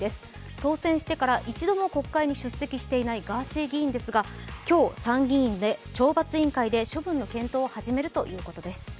当選してから一度も国会に出席していないガーシー議員ですが今日、参議院で懲罰委員会で処分の検討を始めるということです。